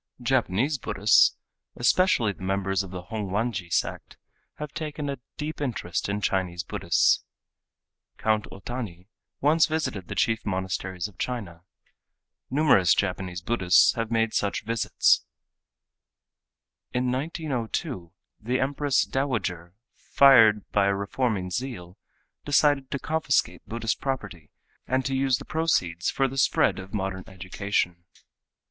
Japanese Buddhists, especially the members of the Hongwanji sect, have taken a deep interest in Chinese Buddhists. Count Otani once visited the chief monasteries of China. Numerous Japanese Buddhists have made such visits. In 1902, the Empress Dowager, fired by a reforming zeal, decided to confiscate Buddhist property and to use the proceeds for the spread of modern education.